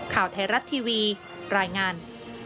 คร่าวไทยรัตน์ทีวีรายงาน